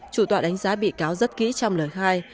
chủ tọa đánh giá bị cáo rất kỹ trong lời khai